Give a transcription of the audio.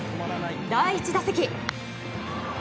第１打席。